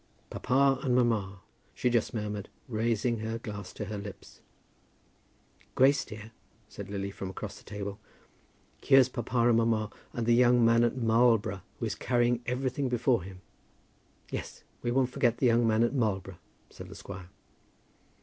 "Papa and mamma," she just murmured, raising her glass to her lips. "Grace, dear," said Lily from across the table, "here's papa and mamma, and the young man at Marlborough who is carrying everything before him." "Yes; we won't forget the young man at Marlborough," said the squire.